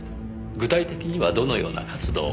具体的にはどのような活動を？